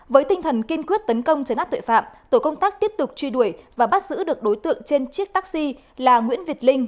với tinh thần kiên quyết tấn công chấn áp tội phạm tổ công tác tiếp tục truy đuổi và bắt giữ được đối tượng trên chiếc taxi là nguyễn việt linh